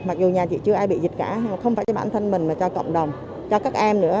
mặc dù nhà chị chưa ai bị dịch cả không phải cho bản thân mình mà cho cộng đồng cho các em nữa